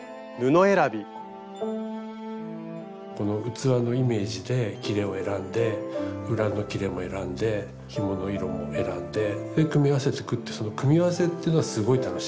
この器のイメージできれを選んで裏のきれも選んでひもの色も選んで組み合わせてくっていうその組み合わせってのはすごい楽しい。